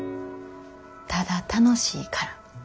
「ただ楽しいから」。